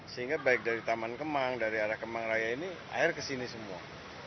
sehingga baik dari taman kemang dari arah kemangiraya ini air kesini semua